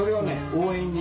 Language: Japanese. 応援に。